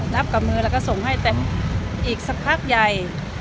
รับกับมือแล้วก็ส่งให้เต็มอีกสักพักใหญ่